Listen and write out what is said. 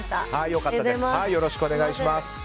よろしくお願いします。